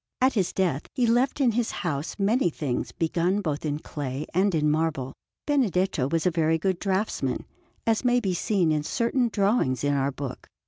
At his death he left in his house many things begun both in clay and in marble. Benedetto was a very good draughtsman, as may be seen in certain drawings in our book.